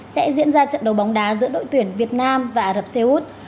sẽ diễn ra trận đấu bóng đá giữa đội tuyển việt nam và ả rập xê út